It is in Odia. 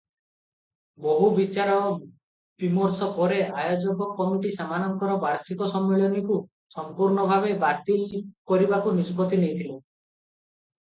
ବହୁ ବିଚାର ବିମର୍ଶ ପରେ ଆୟୋଜକ କମିଟି ସେମାନଙ୍କର ବାର୍ଷିକ ସମ୍ମିଳନୀକୁ ସମ୍ପୂର୍ଣ୍ଣ ଭାବରେ ବାତିଲ କରିବାକୁ ନିଷ୍ପତ୍ତି ନେଇଥିଲା ।